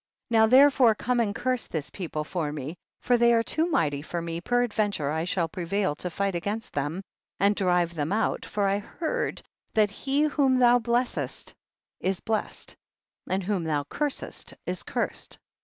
46. Now therefore come and curse this people for me, for they are too mighty for me, peradventure I shall prevail to fight against them, and drive them out, for I heard that he whom thou blessest is blessed, and whom thou cursest is cursed.